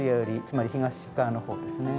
つまり東側のほうですね。